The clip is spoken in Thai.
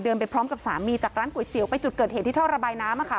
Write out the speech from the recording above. ไปพร้อมกับสามีจากร้านก๋วยเตี๋ยวไปจุดเกิดเหตุที่ท่อระบายน้ำค่ะ